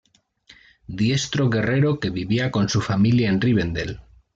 Diestro guerrero que vivía con su familia en Rivendel.